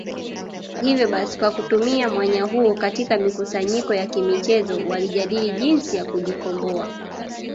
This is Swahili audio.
Ivyo basi kwa kutumia mwanya huo katika mikusanyiko ya kimichezozo walijadii jinsi ya kujikomboa